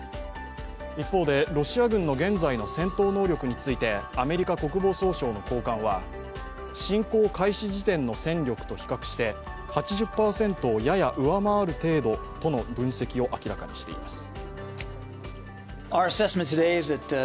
一方で、ロシア軍の現在の戦闘能力についてアメリカ国防総省の高官は、侵攻開始時点の戦力と比較して８０％をやや上回る程度との分析を明らかにしています。